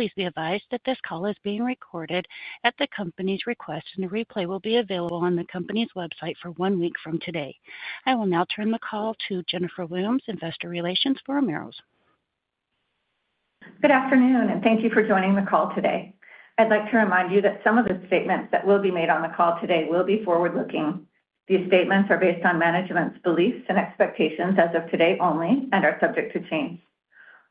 Please be advised that this call is being recorded at the Company's request and a replay will be available on the Company's website for one week from today. I will now turn the call to Jennifer Williams, Investor Relations for Omeros. Good afternoon and thank you for joining the call today. I'd like to remind you that some of the statements that will be made on the call today will be forward-looking. These statements are based on management's beliefs and expectations as of today only and are subject to change.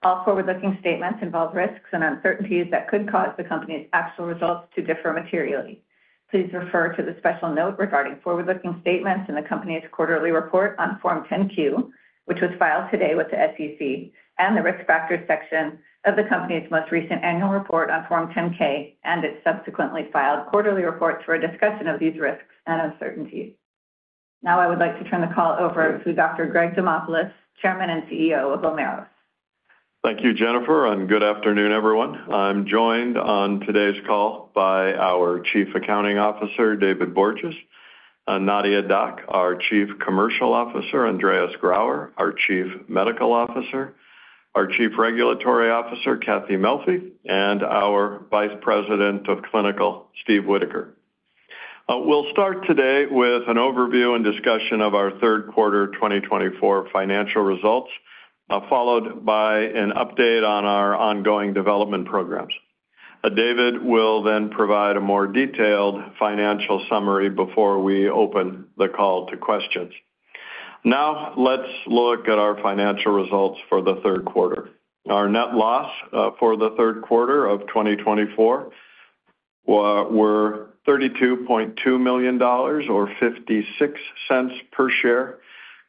All forward-looking statements involve risks and uncertainties that could cause the Company's actual results to differ materially. Please refer to the special note regarding forward-looking statements in the Company's Quarterly Report on Form 10-Q, which was filed today with the SEC, and the Risk Factors section of the Company's most recent Annual Report on Form 10-K and its subsequently filed quarterly reports for a discussion of these risks and uncertainties. Now I would like to turn the call over to Dr. Greg Demopulos, Chairman and CEO of Omeros. Thank you Jennifer and good afternoon everyone. I'm joined on today's call by our Chief Accounting Officer David Borges, Nadia Dac our Chief Commercial Officer, Andreas Grauer our Chief Medical Officer, our Chief Regulatory Officer Cathy Melfi and our Vice President of Clinical, Steve Whitaker. We'll start today with an overview and discussion of our third quarter 2024 financial results followed by an update on our ongoing development programs. David will then provide a more detailed financial summary before we open the call to questions. Now let's look at our financial results for the third quarter. Our net loss for the third quarter of 2024 were $32.2 million or $0.56 per share,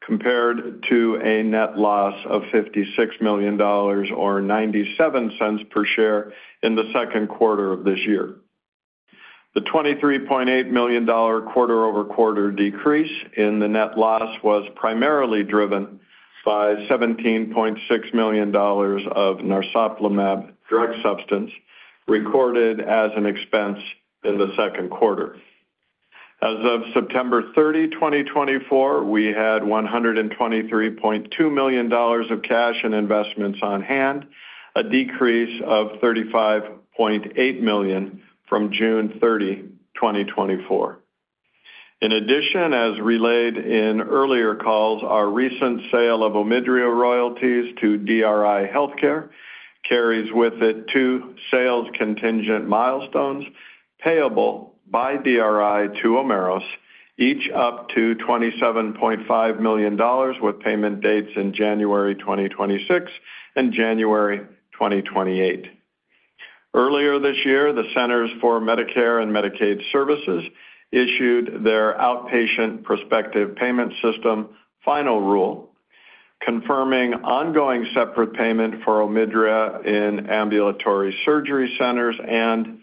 compared to a net loss of $56 million or $0.97 per share in the second quarter of this year. The $23.8 million quarter over quarter decrease in the net loss was primarily driven by $17.6 million of narsoplimab drug substance recorded as an expense in the second quarter. As of September 30, 2024, we had $123.2 million of cash and investments on hand, a decrease of $35.8 million from June 30, 2024. In addition, as relayed in earlier calls, our recent sale of OMIDRIA royalties to DRI Healthcare carries with it two sales contingent milestones payable by DRI to Omeros, each up to $27.5 million with payment dates in January 2026 and January 2028. Earlier this year, the Centers for Medicare and Medicaid Services issued their outpatient prospective payment system final rule confirming ongoing separate payment for OMIDRIA in ambulatory surgery centers and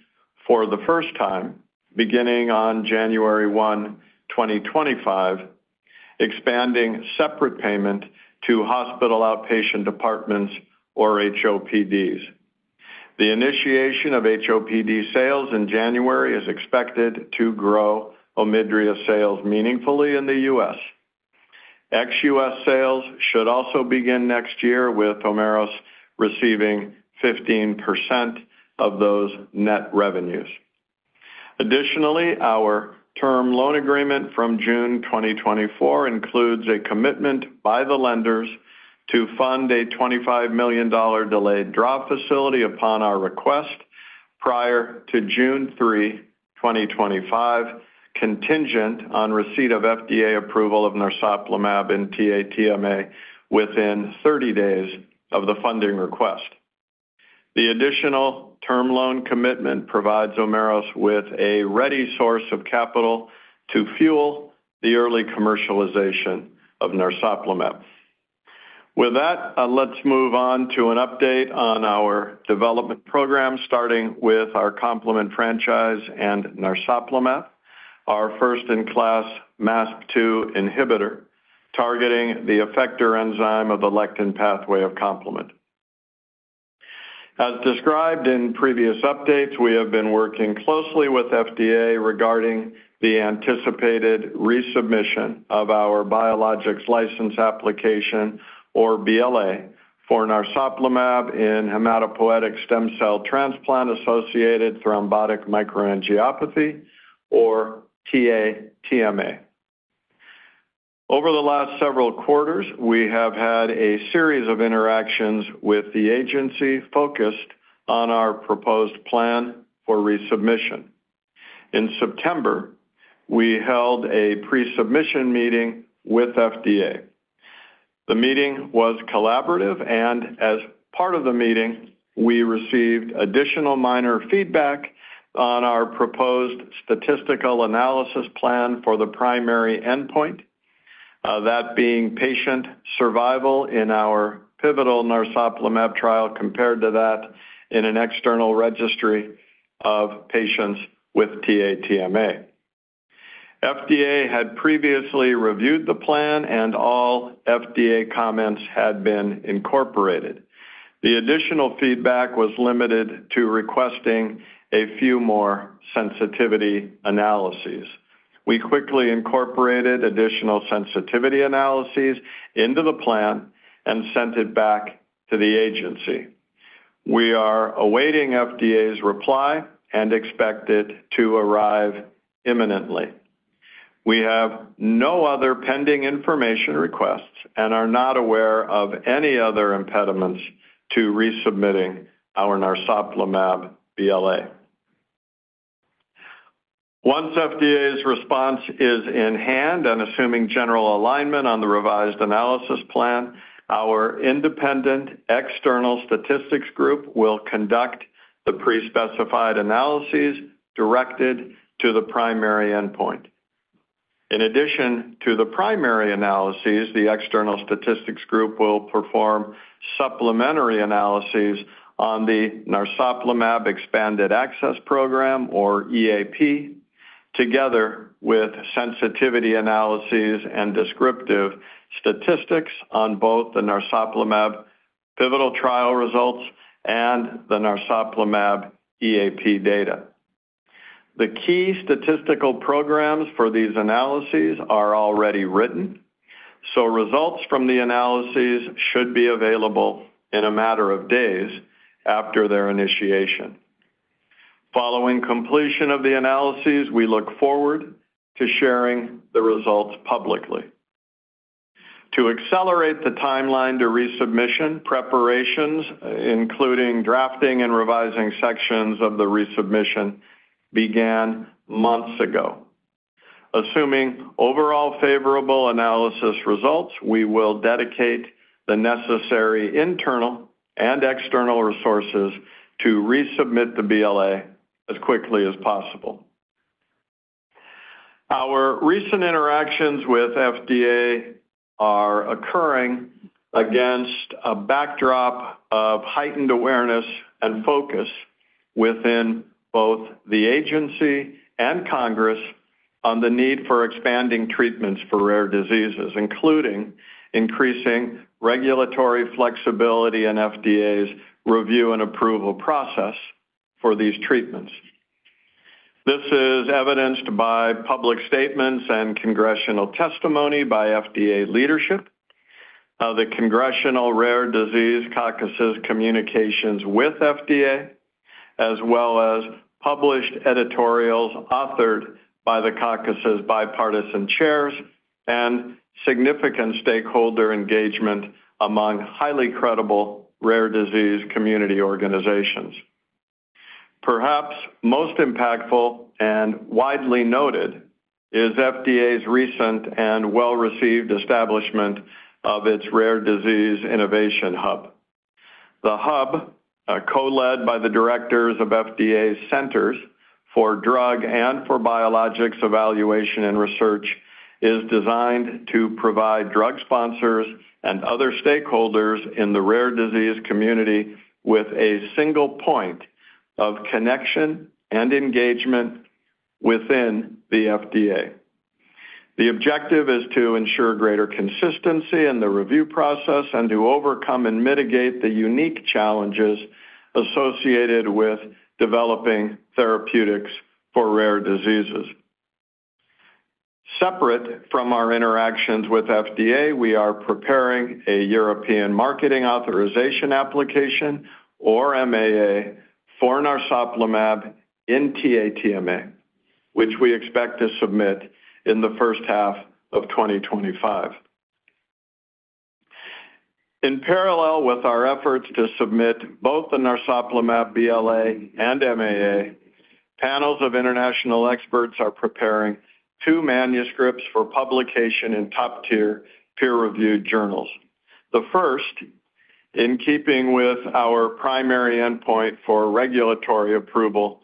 for the first time beginning on January 1, 2025, expanding separate payment to hospital outpatient departments or HOPDs. The initiation of HOPD sales in January is expected to grow OMIDRIA sales meaningfully in the U.S. ex U.S. sales should also begin next year, with Omeros receiving 15% of those net revenues. Additionally, our term loan agreement from June 2024 includes a commitment by the lenders to fund a $25 million delayed draw facility upon our request prior to June 3, 2025, contingent on receipt of FDA approval of narsoplimab in TA-TMA within 30 days of the funding request. The additional term loan commitment provides Omeros with a ready source of capital to fuel the early commercialization of narsoplimab. With that, let's move on to an update on our development program starting with our complement franchise and narsoplimab, our first in class MASP-2 inhibitor targeting the effector enzyme of the lectin pathway of complement. As described in previous updates, we have been working closely with FDA regarding the anticipated resubmission of our Biologics License Application or BLA for narsoplimab in hematopoietic stem cell transplant-associated thrombotic microangiopathy, or TA-TMA. Over the last several quarters, we have had a series of interactions with the agency focused on our proposed plan for resubmission. In September, we held a pre-submission meeting with FDA. The meeting was collaborative and as part of the meeting we received additional minor feedback on our proposed statistical analysis plan for the primary endpoint, that being patient survival in our pivotal narsoplimab trial compared to that in an external registry of patients with TA-TMA. FDA had previously reviewed the plan and all FDA comments had been incorporated. The additional feedback was limited to requesting a few more sensitivity analyses. We quickly incorporated additional sensitivity analyses into the plan and sent it back to the agency. We are awaiting FDA's reply and expect it to arrive imminently. We have no other pending information requests and are not aware of any other impediments to resubmitting our narsoplimab BLA. Once FDA's response is in hand and assuming general alignment on the revised analysis plan, our independent external statistics group will conduct the prespecified analyses directed to the primary endpoint. In addition to the primary analyses, the external statistics group will perform supplementary analyses on the narsoplimab Expanded Access Program or EAP together with sensitivity analyses and descriptive statistics on both the narsoplimab pivotal trial results and the narsoplimab EAP data. The key statistical programs for these analyses are already written, so results from the analyses should be available in a matter of days after their initiation. Following completion of the analyses, we look forward to sharing the results publicly. To accelerate the timeline to resubmission preparations, including drafting and revising sections of the resubmission, began months ago. Assuming overall favorable analysis results, we will dedicate the necessary internal and external resources to resubmit the BLA as quickly as possible. Our recent interactions with FDA are occurring against a backdrop of heightened awareness and focus within both the Agency and Congress on the need for expanding treatments for rare diseases, including increasing regulatory flexibility in FDA's review and approval process for these treatments. This is evidenced by public statements and congressional testimony by FDA leadership, the Congressional Rare Disease Caucus's communications with FDA, as well as published editorials authored by the Caucus's bipartisan chairs, and significant stakeholder engagement among highly credible rare disease community organizations. Perhaps most impactful and widely noted is FDA's recent and well received establishment of its Rare Disease Innovation Hub. The Hub, co-led by the directors of FDA's Centers for Drug and for Biologics Evaluation and Research, is designed to provide drug sponsors and other stakeholders in the rare disease community with a single point of connection and engagement within the FDA. The objective is to ensure greater consistency in the review process and to overcome and mitigate the unique challenges associated with developing therapeutics for rare diseases. Separate from our interactions with FDA, we are preparing a European Marketing Authorization Application, or MAA, for narsoplimab in TA-TMA, which we expect to submit in the first half of 2025. In parallel with our efforts to submit both the narsoplimab BLA and MAA, panels of international experts are preparing two manuscripts for publication in top-tier peer-reviewed journals. The first, in keeping with our primary endpoint for regulatory approval,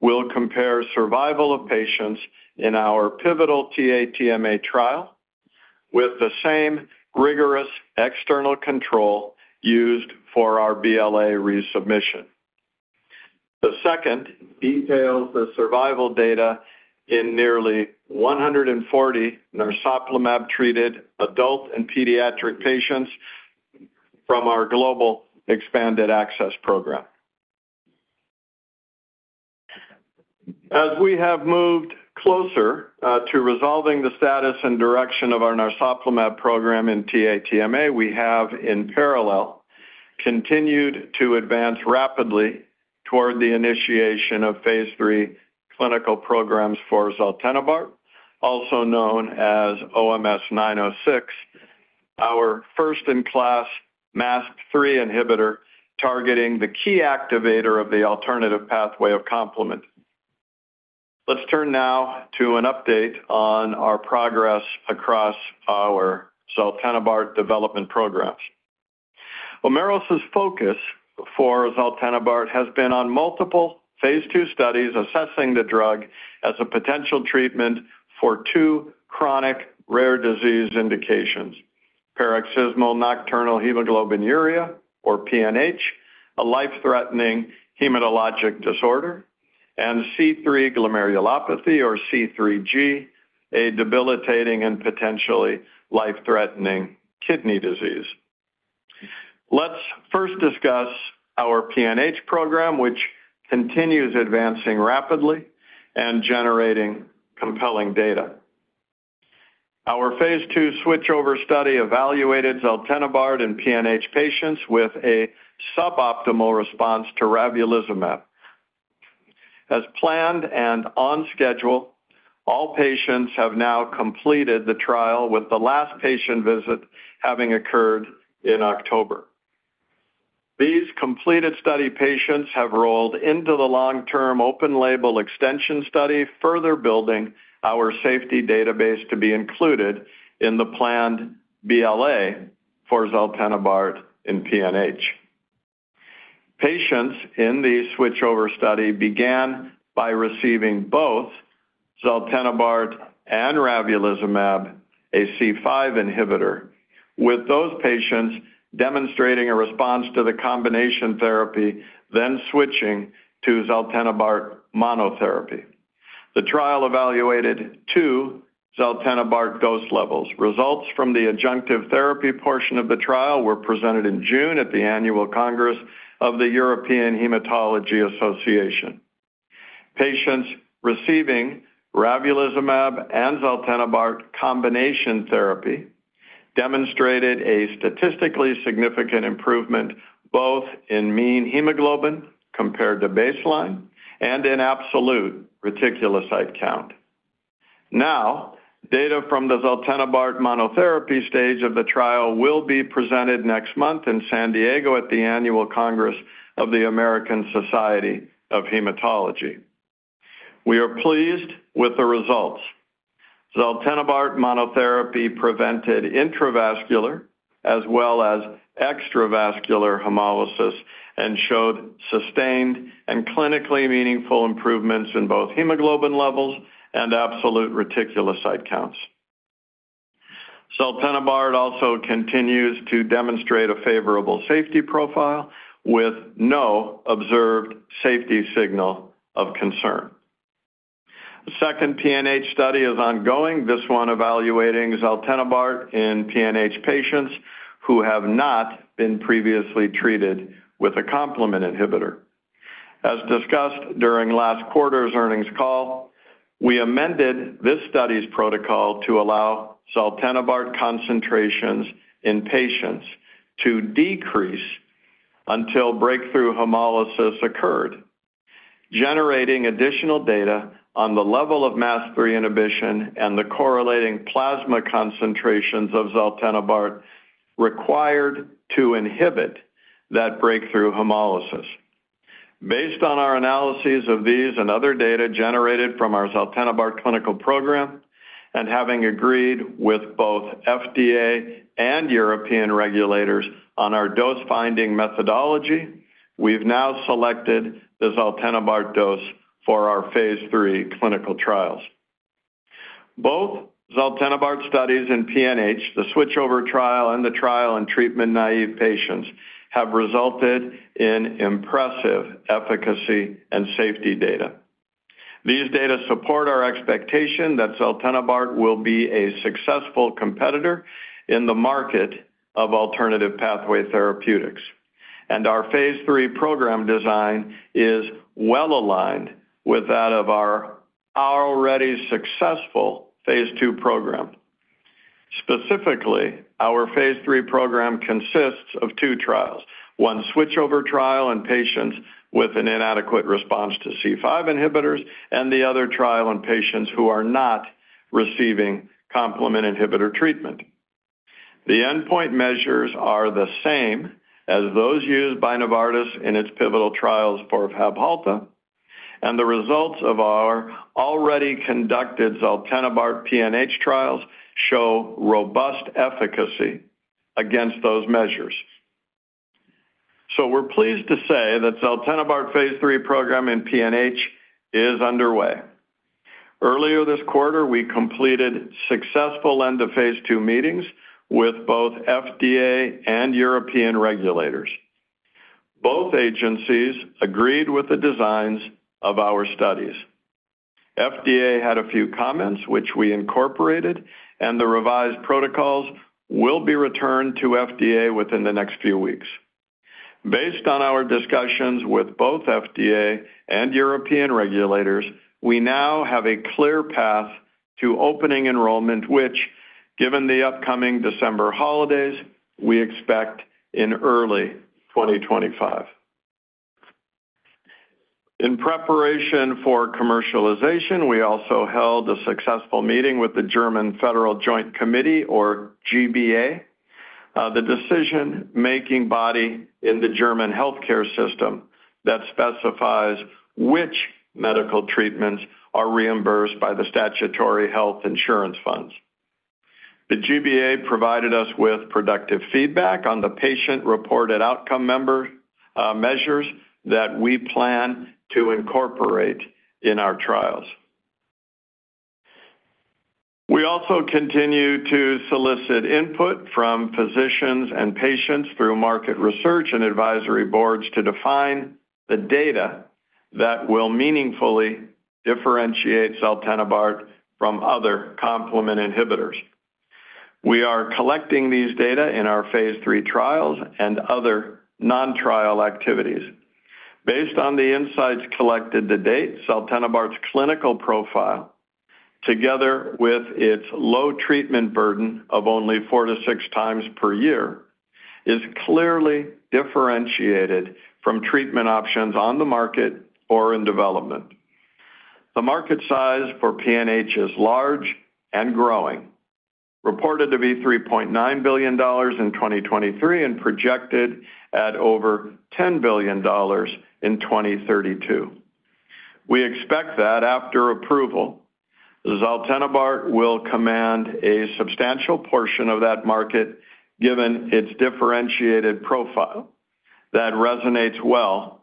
will compare survival of patients in our pivotal TA-TMA trial with the same rigorous external control used for our BLA resubmission. The second details the survival data in nearly 140 narsoplimab-treated adult and pediatric patients from our Global Expanded Access Program. As we have moved closer to resolving the status and direction of our narsoplimab program in TA-TMA, we have in parallel continued to advance rapidly toward the initiation of Phase III clinical programs for zaltenibart, also known as OMS906, our first-in-class MASP-3 inhibitor targeting the key activator of the alternative pathway of complement. Let's turn now to an update on our progress across our zaltenibart development programs. Omeros' focus for zaltenibart has been on multiple Phase II studies assessing the drug as a potential treatment for two chronic rare disease indications, paroxysmal nocturnal hemoglobinuria or PNH, a life-threatening hematologic disorder and C3 glomerulopathy or C3G, a debilitating and potentially life-threatening kidney disease. Let's first discuss our PNH program, which continues advancing rapidly and generating compelling data. Our Phase II switchover study evaluated zaltenibart in PNH patients with a suboptimal response to ravulizumab as planned and on schedule. All patients have now completed the trial with the last patient visit having occurred in October. These completed study patients have rolled into the long-term open-label extension study, further building our safety database to be included in the planned BLA for zaltenibart in PNH. Patients in the switchover study began by receiving both zaltenibart and ravulizumab, a C5 inhibitor, with those patients demonstrating a response to the combination therapy, then switching to zaltenibart monotherapy. The trial evaluated two zaltenibart dose levels. Results from the adjunctive therapy portion of the trial were presented in June at the annual congress of the European Hematology Association. Patients receiving ravulizumab and zaltenibart combination therapy demonstrated a statistically significant improvement both in mean hemoglobin compared to baseline and in absolute reticulocyte count. Now data from the zaltenibart monotherapy stage of the trial will be presented next month in San Diego at the annual congress of the American Society of Hematology. We are pleased with the results. Zaltenibart monotherapy prevented intravascular as well as extravascular hemolysis and showed sustained and clinically meaningful improvements in both hemoglobin levels and absolute reticulocyte counts. zaltenibart also continues to demonstrate a favorable safety profile with no observed safety signal of concern. The second PNH study is ongoing, this one evaluating zaltenibart in PNH patients who have not been previously treated with a complement inhibitor. As discussed during last quarter's earnings call, we amended this study's protocol to allow zaltenibart concentrations in patients to decrease until breakthrough hemolysis occurred, generating additional data on the level of MASP-3 inhibition and the correlating plasma concentrations of zaltenibart required to inhibit that breakthrough hemolysis. Based on our analyses of these and other data generated from our zaltenibart clinical program and having agreed with both FDA and European regulators on our dose finding methodology, we've now selected the zaltenibart dose for our Phase III clinical trials. Both zaltenibart studies in PNH, the switchover trial and the trial in treatment naive patients have resulted in impressive efficacy and safety data. These data support our expectation that zaltenibart will be a successful competitor in the market of alternative pathway therapeutics and our Phase III program design is well aligned with that of our already successful Phase II program. Specifically, our Phase III program consists of two trials, one switchover trial in patients with an inadequate response to C5 inhibitors and the other trial in patients who are not receiving complement inhibitor treatment. The endpoint measures are the same as those used by Novartis in its pivotal trials for Fabhalta, and the results of our already conducted zaltenibart PNH trials show robust efficacy against those measures. So we're pleased to say that zaltenibart Phase III program in PNH is underway. Earlier this quarter we completed successful end of Phase II meetings with both FDA and European regulators. Both agencies agreed with the designs of our studies. FDA had a few comments which we incorporated, and the revised protocols will be returned to FDA within the next few weeks. Based on our discussions with both FDA and European regulators, we now have a clear path to opening enrollment, which, given the upcoming December holidays, we expect in early 2025 in preparation for commercialization. We also held a successful meeting with the German Federal Joint Committee or G-BA, the decision-making body in the German healthcare system that specifies which medical treatments are reimbursed by the statutory health insurance funds. The G-BA provided us with productive feedback on the patient-reported outcome measures that we plan to incorporate in our trials. We also continue to solicit input from physicians and patients through market research and advisory boards to define the data that will meaningfully differentiate zaltenibart from other complement inhibitors. We are collecting these data in our Phase III trials and other non trial activities based on the insights collected to date. Zaltenibart's clinical profile, together with its low treatment burden of only four to six times per year, is clearly differentiated from treatment options on the market or in development. The market size for PNH is large and growing, reported to be $3.9 billion in 2023 and projected at over $10 billion in 2032. We expect that after approval, zaltenibart will command a substantial portion of that market given its differentiated profile that resonates well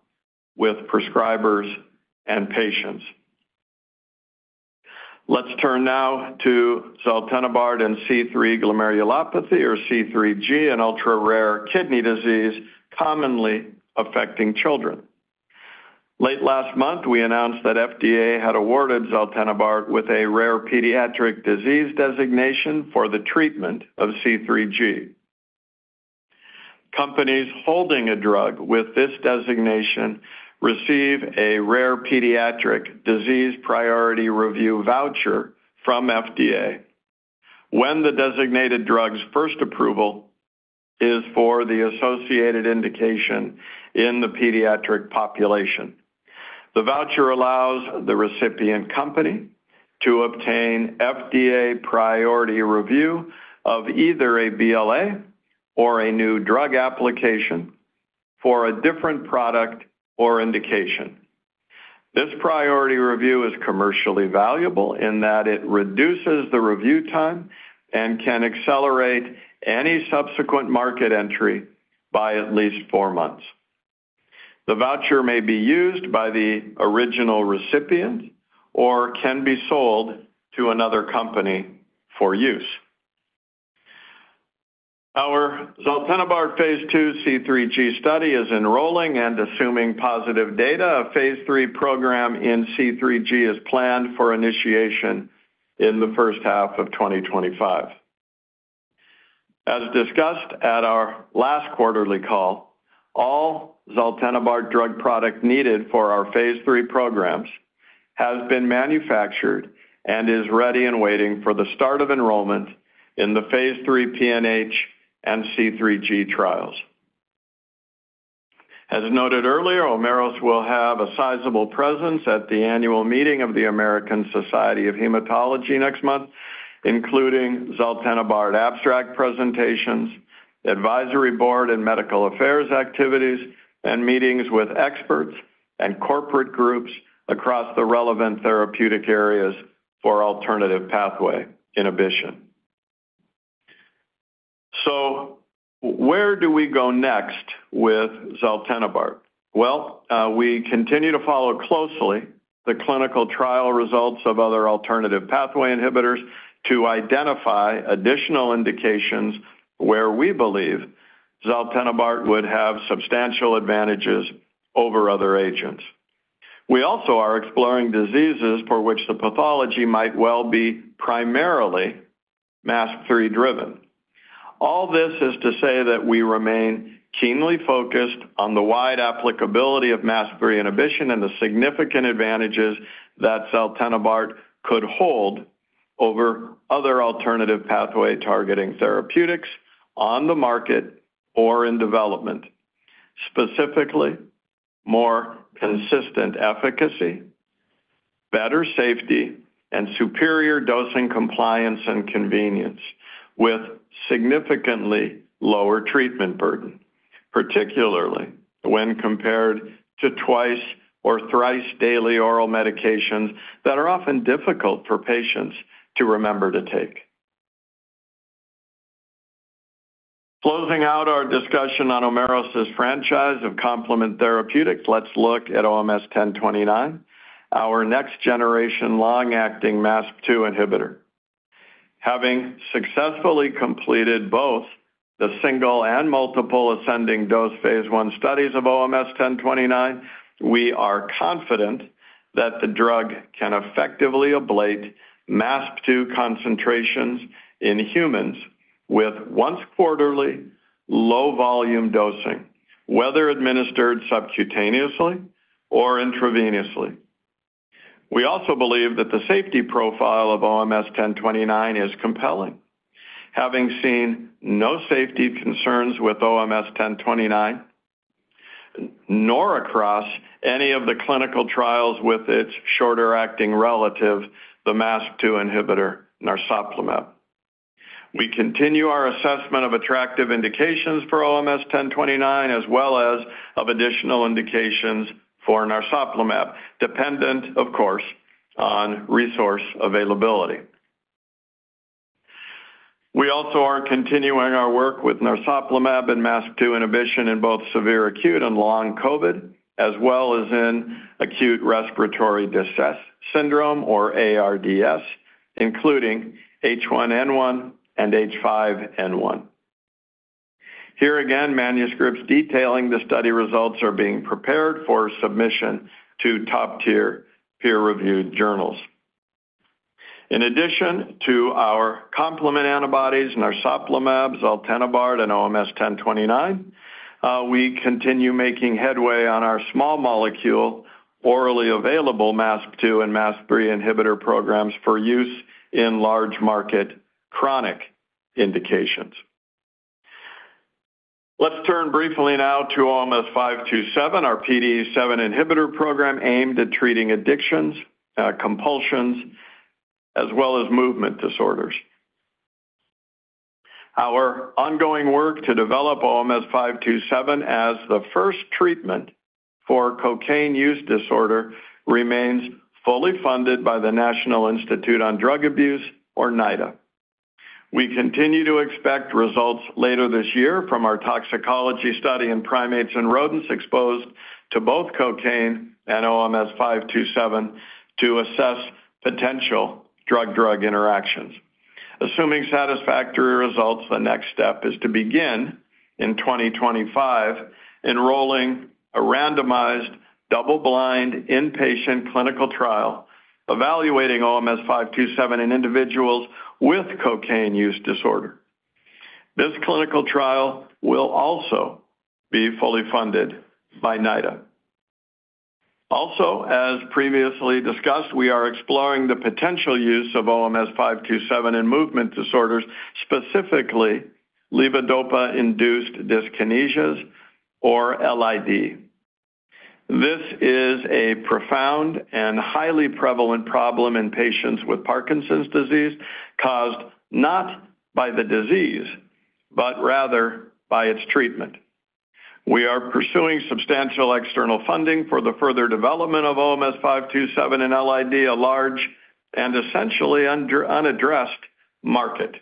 with prescribers and patients. Let's turn now to zaltenibart and C3 glomerulopathy, or C3G, an ultra-rare kidney disease commonly affecting children. Late last month we announced that FDA had awarded zaltenibart with a rare pediatric disease designation for the treatment of C3G. Companies holding a drug with this designation receive a rare pediatric disease priority review voucher from FDA when the designated drug's first approval is for the associated indication in the pediatric population. The voucher allows the recipient company to obtain FDA priority review of either a BLA or a New Drug Application for a different product or indication. This priority review is commercially valuable in that it reduces the review time and can accelerate any subsequent market entry by at least four months. The voucher may be used by the original recipient or can be sold to another company for use. Our zaltenibart Phase II C3G study is enrolling and assuming positive data. A Phase III program in C3G is planned for initiation in the first half of 2025. As discussed at our last quarterly call, all zaltenibart drug product needed for our Phase III programs has been manufactured and is ready and waiting for the start of enrollment in the Phase III PNH and C3G trials. As noted earlier, Omeros will have a sizable presence at the annual meeting of the American Society of Hematology next, including zaltenibart abstract presentations, advisory board and medical affairs activities, and meetings with experts and corporate groups across the relevant therapeutic areas for alternative pathway inhibition. So where do we go next with zaltenibart? Well, we continue to follow closely the clinical trial results of other alternative pathway inhibitors to identify additional indications where we believe zaltenibart would have substantial advantages over other agents. We also are exploring diseases for which the pathology might well be primarily MASP-3 driven. All this is to say that we remain keenly focused on the wide applicability of MASP-3 inhibition and the significant advantages and that zaltenibart could hold over other alternative pathway targeting therapeutics on the market or in development. Specifically, more consistent efficacy, better safety and superior dosing compliance and convenience with significantly lower treatment burden, particularly when compared to twice or thrice daily oral medications that are often difficult for patients to remember to take. Closing out our discussion on Omeros franchise of complement therapeutics, let's look at OMS1029, our next generation long acting MASP-2 inhibitor. Having successfully completed both the single and multiple ascending dose Phase I studies of OMS1029, we are confident that the drug can effectively ablate MASP-2 concentrations in humans with once quarterly low volume dosing whether administered subcutaneously or intravenously. We also believe that the safety profile of OMS1029 is compelling. Having seen no safety concerns with OMS1029 nor across any of the clinical trials with its shorter acting relative the MASP-2 inhibitor narsoplimab, we continue our assessment of attractive indications for OMS1029 as well as of additional indications for narsoplimab, dependent of course on resource availability. We also are continuing our work with narsoplimab and MASP-2 inhibition in both severe acute and long COVID as well as in acute respiratory distress syndrome or ARDS including H1N1 and H5N1. Here again, manuscripts detailing the study results are being prepared for submission to top tier peer reviewed journals. In addition to our complement antibodies narsoplimab, zaltenibart, and OMS1029, we continue making headway on our small molecule orally available MASP-2 and MASP-3 inhibitor programs for use in large market chronic indications. Let's turn briefly now to OMS527, our PDE7 inhibitor program aimed at treating addictions, compulsions as well as movement disorders. Our ongoing work to develop OMS527 as the first treatment for cocaine use disorder remains fully funded by the National Institute on Drug Abuse or NIDA. We continue to expect results later this year from our toxicology study in primates and rodents exposed to both cocaine and OMS527 to assess potential drug-drug interactions assuming satisfactory results. The next step is to begin in 2025, enrolling a randomized double-blind inpatient clinical trial evaluating OMS527 in individuals with cocaine use disorder. This clinical trial will also be fully funded by NIDA. Also, as previously discussed, we are exploring the potential use of OMS527 in movement disorders, specifically levodopa-induced dyskinesias or LID. This is a profound and highly prevalent problem in patients with Parkinson's disease caused not by the disease but rather by its treatment. We are pursuing substantial external funding for the further development of OMS527 and LID, a large and essentially unaddressed market.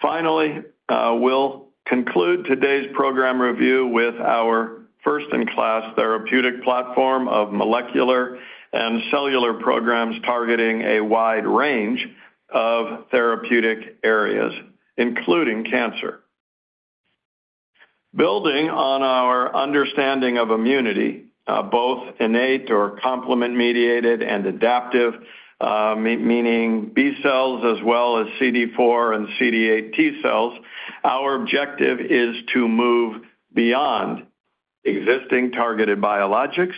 Finally, we'll conclude today's program review with our first-in-class therapeutic platform of molecular and cellular programs targeting a wide range of therapeutic areas, including cancer. Building on our understanding of immunity, both innate or complement mediated and adaptive meaning B cells as well as CD4 and CD8 T cells. Our objective is to move beyond existing targeted biologics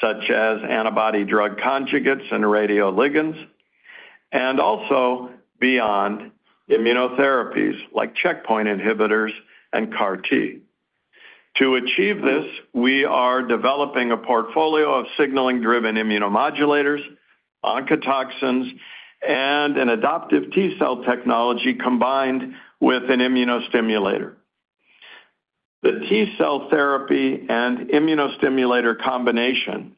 such as antibody drug conjugates and radioligands and also beyond immunotherapies like checkpoint inhibitors and CAR T. To achieve this, we are developing a portfolio of signaling-driven immunomodulators, oncotoxins and an adoptive T cell technology combined with an immunostimulator. The T cell therapy and immunostimulator combination,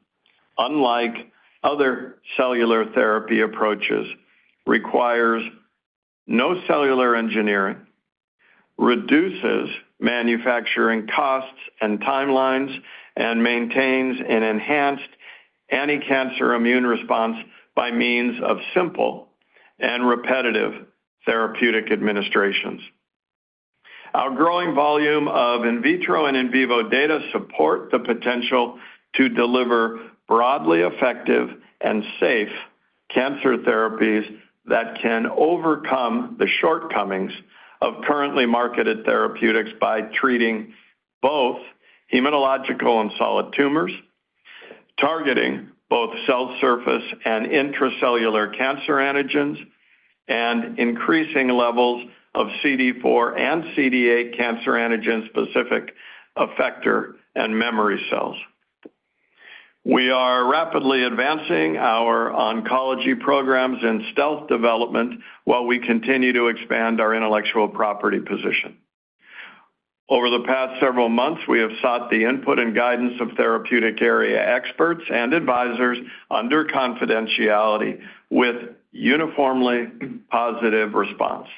unlike other cellular therapy approaches, requires no cellular engineering, reduces manufacturing costs and timelines and maintains an enhanced anticancer immune response by means of simple and repetitive therapeutic administrations. Our growing volume of in vitro and in vivo data support the potential to deliver broadly effective and safe cancer therapies that can overcome the shortcomings of currently marketed therapeutics. By treating both hematological and solid tumors, targeting both cell surface and intracellular cancer antigens, and increasing levels of CD4 and CD8 cancer antigen specific effector and memory cells, we are rapidly advancing our oncology programs and stealth development while we continue to expand our intellectual property position. Over the past several months we have sought the input and guidance of therapeutic area experts and advisors under confidentiality with uniformly positive response.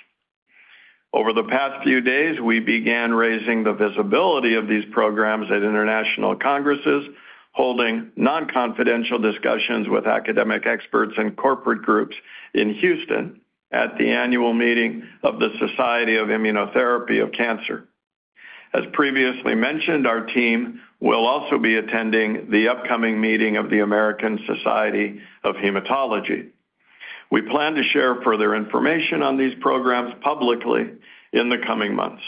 Over the past few days, we began raising the visibility of these programs at international congresses, holding non-confidential discussions with academic experts and corporate groups in Houston at the annual meeting of the Society for Immunotherapy of Cancer. As previously mentioned, our team will also be attending the upcoming meeting of the American Society of Hematology. We plan to share further information on these programs publicly in the coming months.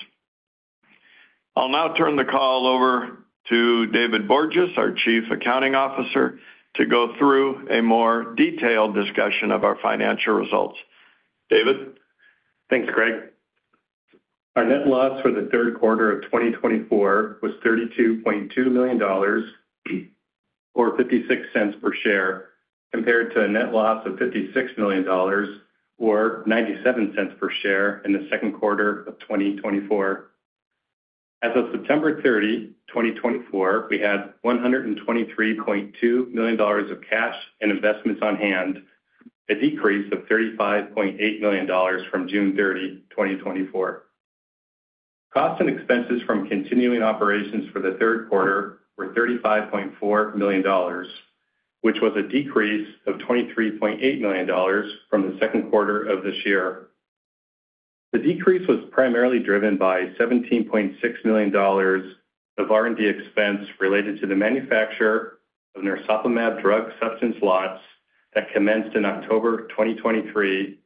I'll now turn the call over to David Borges, our Chief Accounting Officer, to go through a more detailed discussion of our financial results. David. Thanks, Greg. Our net loss for the third quarter of 2024 was $32.2 million, or $0.56 per share, compared to a net loss of $56 million or $0.97 per share, in the second quarter of 2024. As of September 30, 2024, we had $123.2 million of cash and investments on hand, a decrease of $35.8 million from June 30, 2024. Cost and expenses from continuing operations for the third quarter were $35.4 million, which was a decrease of $23.8 million from the second quarter of this year. The decrease was primarily driven by $17.6 million of R&D expense related to the manufacture of narsoplimab drug substance lots that commenced in October 2023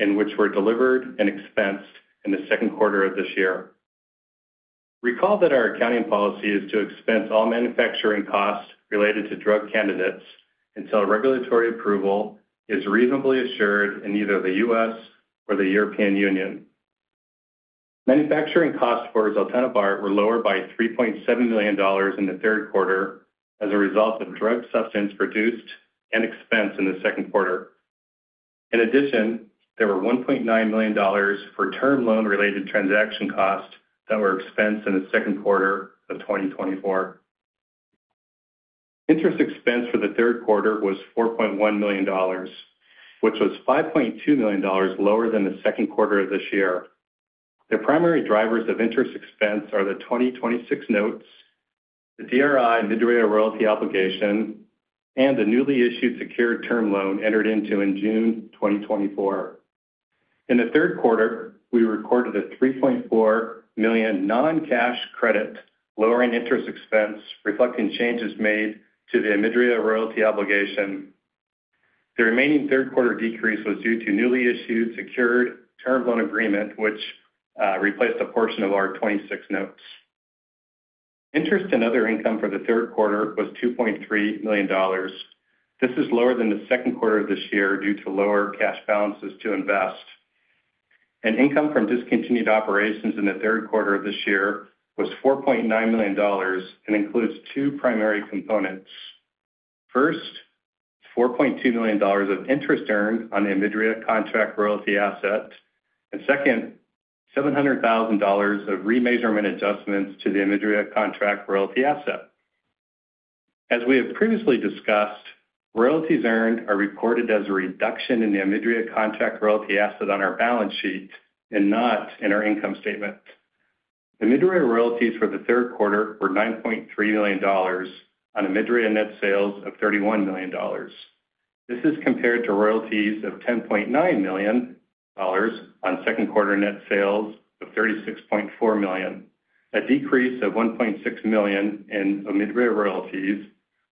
and which were delivered and expensed in the second quarter of this year. Recall that our accounting policy is to expense all manufacturing costs related to drug candidates until regulatory approval is reasonably assured in either the U.S. or the European Union. Manufacturing costs for zaltenibart were lowered by $3.7 million in the third quarter as a result of drug substance produced and expensed in the second quarter. In addition, there were $1.9 million for term loan related transaction costs that were expensed in the second quarter of 2024. Interest expense for the third quarter was $4.1 million which was $5.2 million lower than the second quarter of this year. The primary drivers of interest expense are the 2026 notes, the DRI OMIDRIA royalty obligation and the newly issued secured term loan entered into in June 2024. In the third quarter we recorded a $3.4 million non-cash credit lowering interest expense reflecting changes made to the OMIDRIA royalty obligation. The remaining third quarter decrease was due to a newly issued secured term loan agreement, which replaced a portion of our 2026 notes. Interest and other income for the third quarter was $2.3 million. This is lower than the second quarter of this year due to lower cash balances to invest and income from discontinued operations. In the third quarter of this year was $4.9 million and includes two primary components. First, $4.2 million of interest earned on the OMIDRIA contract royalty asset and second, $700,000 of remeasurement adjustments to the OMIDRIA contract royalty asset. As we have previously discussed, royalties earned are recorded as a reduction in the OMIDRIA contract royalty asset on our balance sheet and not in our income statement. OMIDRIA royalties for the third quarter were $9.3 million on OMIDRIA net sales of $31 million. This is compared to royalties of $10.9 million on second quarter net sales of $36.4 million, a decrease of $1.6 million in OMIDRIA royalties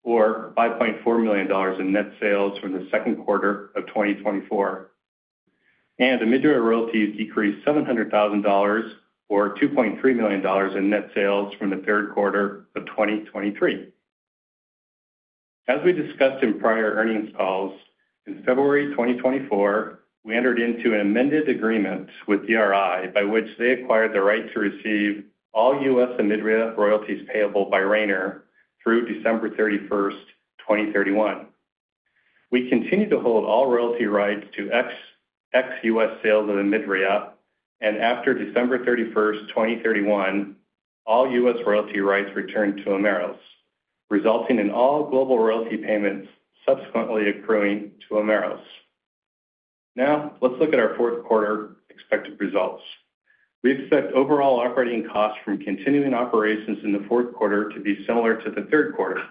or $5.4 million in net sales from the second quarter of 2024, and OMIDRIA royalties decreased $700,000 or $2.3 million in net sales from the third quarter of 2023. As we discussed in prior earnings calls, in February 2024 we entered into an amended agreement with DRI by which they acquired the right to receive all U.S. OMIDRIA royalties payable by Rayner through December 31, 2031, we continue to hold all royalty rights to ex-U.S. sales of OMIDRIA. After December 31, 2031, all U.S. royalty rights return to Omeros, resulting in all global royalty payments subsequently accruing to Omeros. Now let's look at our fourth quarter expected results. We expect overall operating costs from continuing operations in the fourth quarter to be similar to the third quarter.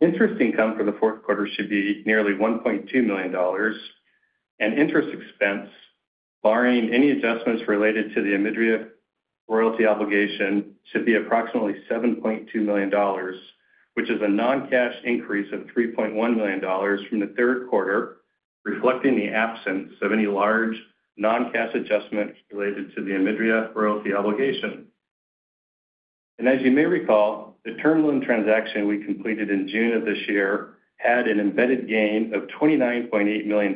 Interest income for the fourth quarter should be nearly $1.2 million and interest expense, barring any adjustments related to the OMIDRIA royalty obligation, should be approximately $7.2 million, which is a non cash increase of $3.1 million from the third quarter, reflecting the absence of any large non cash adjustments related to the OMIDRIA royalty obligation, and as you may recall, the term loan transaction we completed in June of this year had an embedded gain of $29.8 million,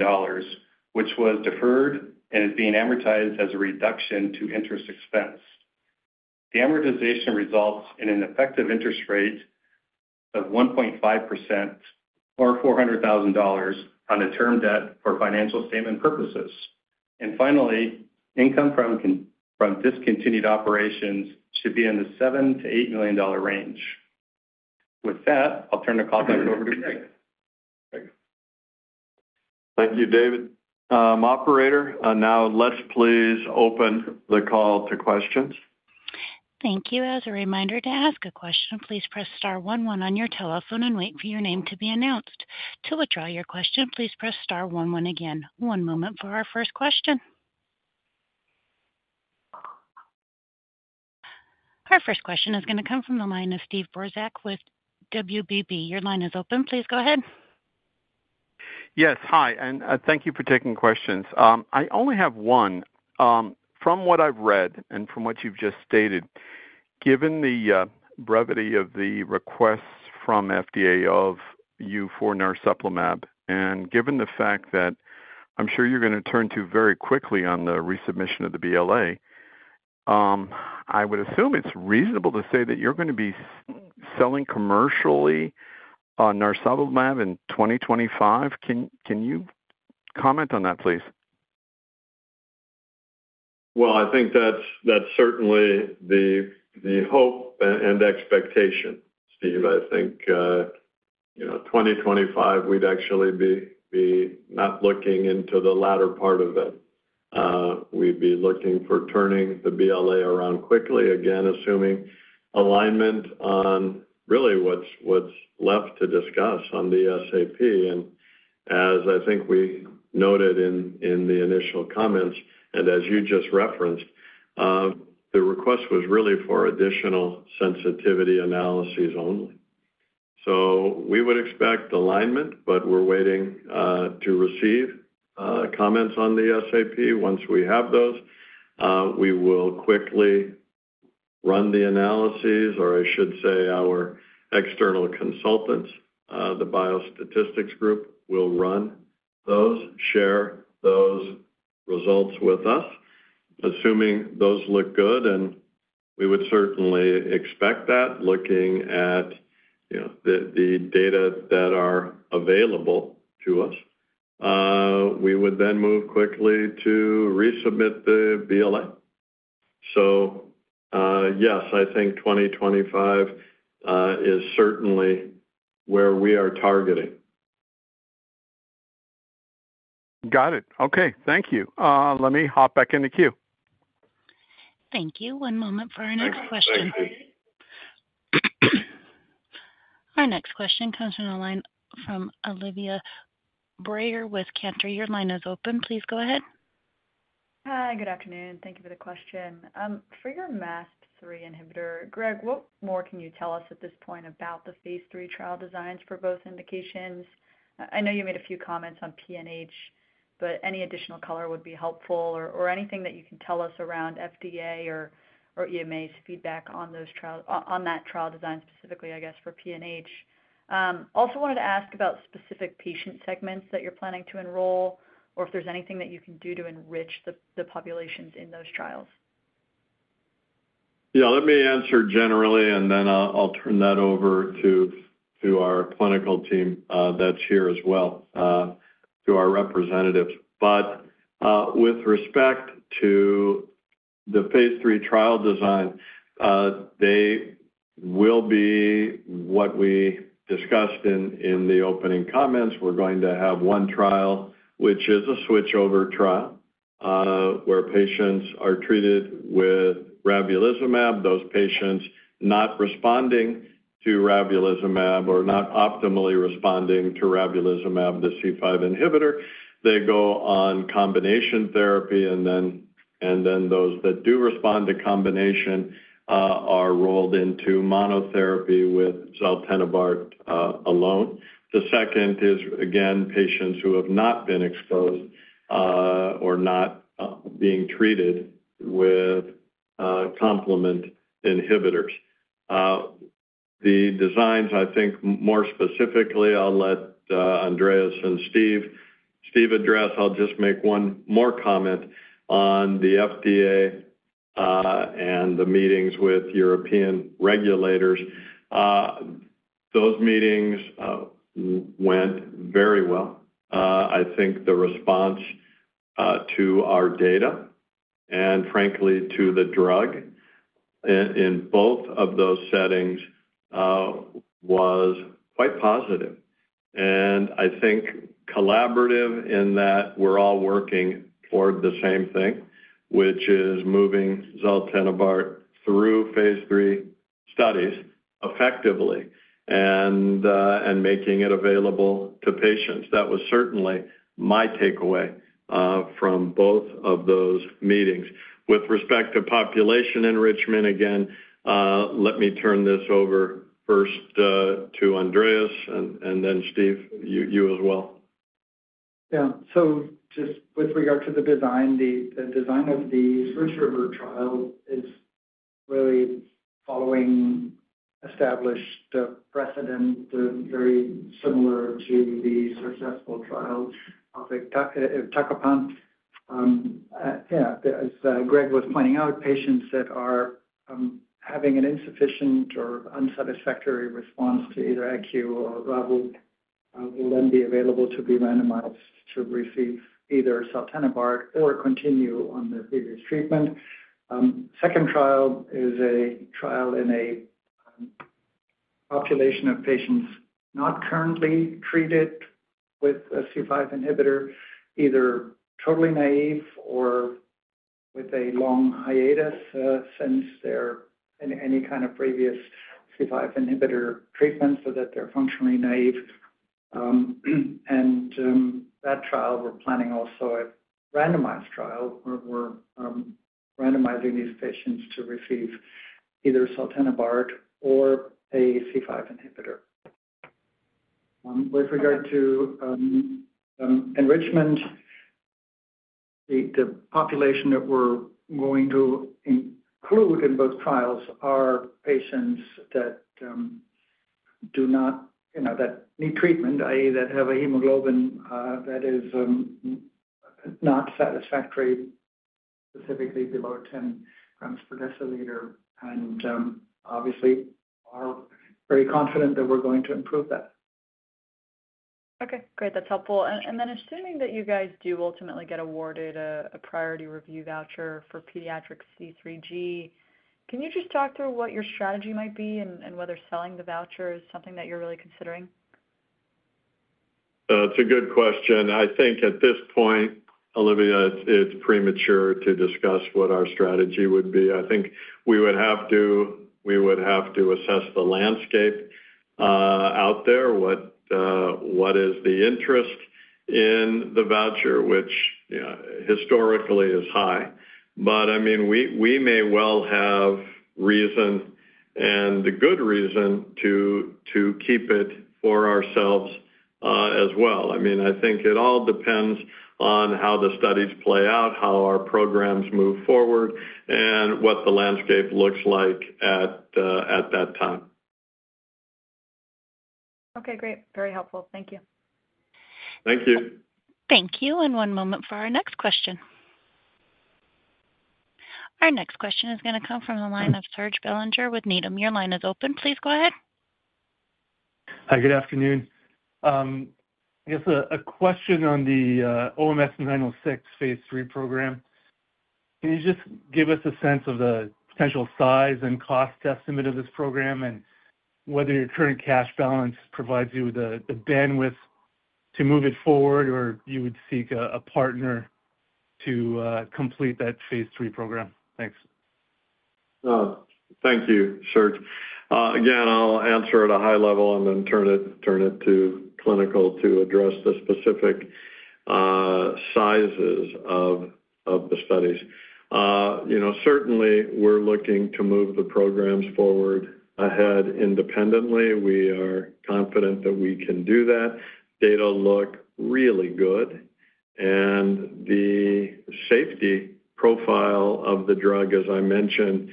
which was deferred and is being amortized as a reduction to interest expense. The amortization results in an effective interest rate of 1.5% or $400,000 on the term debt for financial statement purposes, and finally, income from discontinued operations should be in the $7-$8 million range. With that, I'll turn the call back over to Greg. Thank you, David. Operator. Now let's please open the call to questions. Thank you. As a reminder to ask a question, please press star 11 on your telephone and wait for your name to be announced. To withdraw your question, please press star 11 again. One moment for our first question. Our first question is going to come from the line of Steve Brozak with WBB. Your line is open. Please go ahead. Yes, hi, and thank you for taking questions. I only have one. From what I've read and from what you've just stated, given the brevity of the requests from FDA of you for narsoplimab, and given the fact that I'm sure you're going to turn to very quickly on the resubmission of the BLA, I would assume it's reasonable to say that you're going to be selling commercially narsoplimab in 2025. Can you comment on that please? Well, I think that's certainly the hope and expectation, Steve. I think 2025 we'd actually be not looking into the latter part of it. We'd be looking for turning the BLA around quickly again, assuming alignment on really what's left to discuss on the SAP. And as I think we noted in the initial comments and as you just referenced, the request was really for additional sensitivity analyses only. So we would expect alignment. But we're waiting to receive comments on the SAP. Once we have those, we will quickly run the analyses, or I should say our external consultants, the biostatistics group, will run those, share those results with us, assuming those look good. And we would certainly expect that looking at the data that are available to us, we would then move quickly to resubmit the BLA. So, yes, I think 2025 is certainly where we are targeting. Got it. Okay, thank you. Let me hop back in the queue. Thank you. One moment for our next question. Our next question comes from a line from Olivia Brayer with Cantor. Your line is open. Please go ahead. Hi, good afternoon. Thank you for the question for your MASP-3 inhibitor. Greg, what more can you tell us at this point about the Phase III trial designs for both indications? I know you made a few comments on PNH, but any additional color would be helpful or anything that you can tell us around FDA or EMA's feedback on that trial design specifically, I guess, for PNH. Also wanted to ask about specific patient segments that you're planning to enroll or if there's anything that you can do to enrich the populations in those trials. Yeah. Let me answer generally, and then I'll turn that over to our clinical team. That's here as well, to our representatives. But with respect to the Phase III trial design, they will be what we discussed in the opening comments. We're going to have one trial, which is a switchover trial, where patients are treated with ravulizumab. Those patients not responding to ravulizumab or not optimally responding to ravulizumab, the C5 inhibitor, they go on combination therapy. And then those that do respond to combination are rolled into monotherapy with zaltenibart alone. The second is, again, patients who have not been exposed or not being treated with complement inhibitors. The designs, I think, more specifically, I'll let Andreas and Steve address. I'll just make one more comment on the FDA and the meetings with European regulators. Those meetings went very well. I think the response to our data and frankly to the drug in both of those settings was quite positive and I think collaborative in that we're all working toward the same thing, which is moving zaltenibart through Phase III studies effectively and making it available to patients. That was certainly my takeaway from both of those meetings with respect to population enrichment. Again, let me turn this over first to Andreas and then, Steve, you as well. Yeah. So just with regard to the design, the design of the switchover trial is really following established precedent, very similar to the successful trial of iptacopan. Yeah. As Greg was pointing out, patients that are having an insufficient or unsatisfactory response to either eculizumab or ravulizumab will then be available to be randomized to receive either zaltenibart or continue on the previous treatment. The second trial is a trial in a population of patients not currently treated with a C5 inhibitor, either totally naive or with a long hiatus since they're in any kind of previous C5 inhibitor treatment, so that they're functionally naive. And that trial we're planning, also randomized trial. We're randomizing these patients to receive either zaltenibart or a C5 inhibitor with regard to enrichment. The population that we're going to include in both trials are patients that do not, you know, that need treatment, that is, that have a hemoglobin that is not satisfactory, specifically below 10 grams per deciliter, and obviously are very confident that we're going to improve that. Okay, great. That's helpful. And then assuming that you guys do ultimately get awarded a priority review voucher for pediatric C3G, can you just talk through what your strategy might be and whether selling the voucher is something that you're really considering? That's a good question. I think at this point, Olivia, it's premature to discuss what our strategy would be. I think we would have to assess the landscape out there. What is the interest in the voucher, which historically is high, but, I mean, we may well have reason and a good reason to keep it for ourselves as well. I mean, I think it all depends on how the studies play out, how our programs move forward, and what the landscape looks like at that time. Okay, great. Very helpful. Thank you. Thank you. Thank you. And one moment for our next question. Our next question is going to come from the line of Serge Belanger with Needham. Your line is open. Please go ahead. Hi, good afternoon. A question on the OMS 906 Phase III program. Can you just give us a sense of the potential size and cost estimate of this program and whether your current cash balance provides you with the bandwidth? To move it forward or you would. Seek a partner to complete that Phase III program? Thanks. Thank you, Serge. Again, I'll answer at a high level and then turn it to clinical to address the specific sizes of the studies. You know, certainly we're looking to move the programs forward ahead independently. We are confident that we can do that. Data look really good, and the safety profile of the drug, as I mentioned,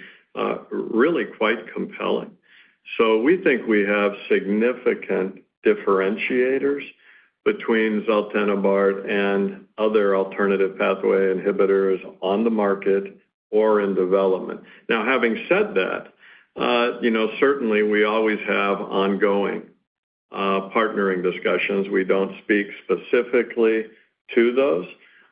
really quite compelling. So we think we have significant differentiators between zaltenibart and other alternative pathway inhibitors on the market or in development. Now, having said that, certainly we always have ongoing partnering discussions. We don't speak specifically to those,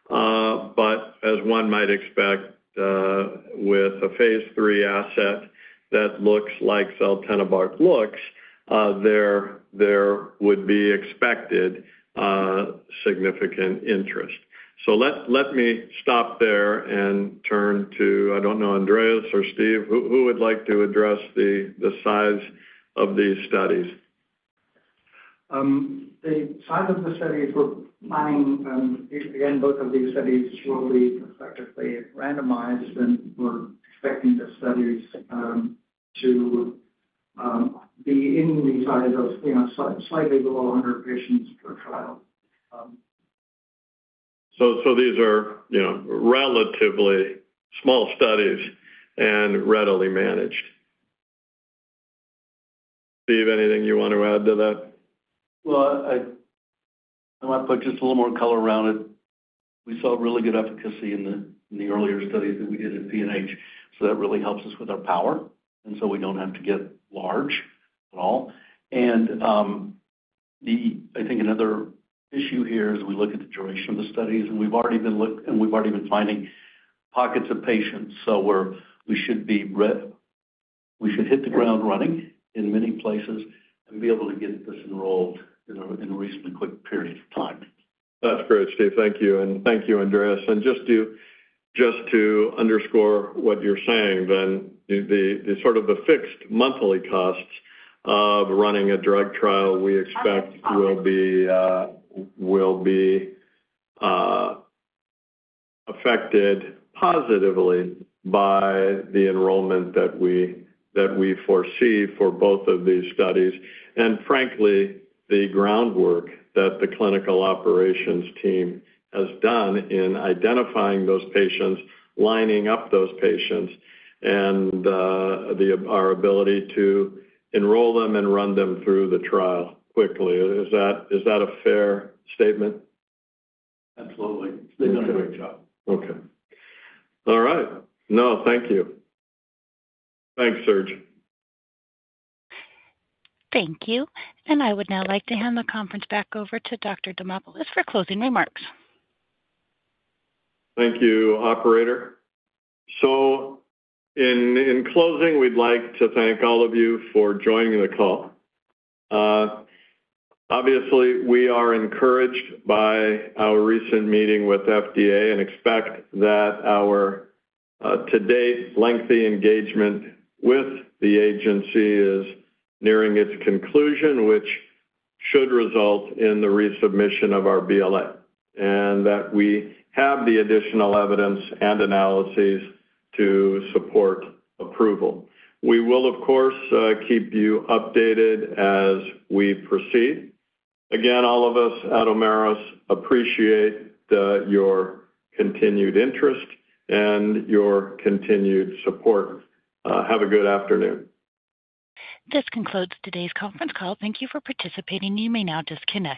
but as one might expect, with a Phase III asset that looks like zaltenibart looks, there would be expected significant interest. So let me stop there and turn to, I don't know, Andreas or Steve, who would like to address the size these studies. The size of the studies. We're finding, again, both of these studies will be effectively randomized, and we're expecting the studies to be in the size of slightly below 100 patients per trial. So these are relatively small studies and readily managed. Steve, anything you want to add to that? Well, I want to put just a little more color around it. We saw really good efficacy in the earlier studies that we did at PNH, so that really helps us with our. Power, and so we don't have to get large at all. I think another issue here is. We look at the duration of the. Studies, and we've already been looked. We've already been finding pockets of patients, so we should hit the ground running. In many places and be able to get this enrolled in a reasonably quick period of time. That's great, Steve. Thank you. And thank you, Andreas. And just to underscore what you're saying, then, the fixed monthly costs of running a drug trial we expect will be affected positively by the enrollment that we foresee for both of these studies. And frankly, the groundwork that the clinical operations team has done in identifying those patients, lining up those patients and our ability to enroll them and run them through the trial quickly. Is that a fair statement? Absolutely. They've done a great job. Okay. All right. No, thank you. Thanks, Serge. Thank you, and I would now like to hand the conference back over to Dr. Demopulos for closing remarks. Thank you, operator. So, in closing, we'd like to thank all of you for joining the call. Obviously, we are encouraged by our recent meeting with FDA and expect that our to date lengthy engagement with the agency is nearing its conclusion, which should result in the resubmission of our BLA and that we have the additional evidence and analyses to support approval. We will, of course, keep you updated as we proceed. Again, all of us at Omeros appreciate your continued interest and your continued support. Have a good afternoon. This concludes today's conference call. Thank you for participating. You may now disconnect.